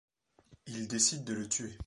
Il décide de le tuer.